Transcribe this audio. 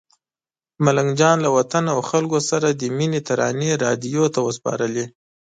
ملنګ جان له وطن او خلکو سره د مینې ترانې راډیو ته وسپارلې.